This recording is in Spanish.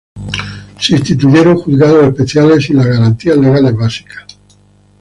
Se instituyeron "Juzgados Especiales" sin las garantías legales básicas.